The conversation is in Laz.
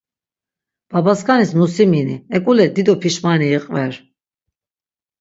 Babaskanis nusimini, ek̆ule dido pişmani iqver.